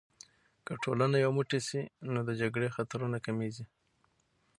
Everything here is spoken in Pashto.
که ټولنه یو موټی سي، نو د جګړې خطرونه کمېږي.